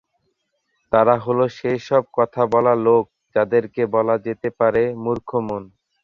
তারা হল সেই সব কথা বলা লোক যাদেরকে বলা যেতে পারে মূর্খ মন।